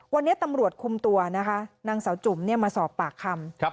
วันนี้ตำรวจคุมตัวนะคะนางสาวจุ๋มมาสอบปากคำ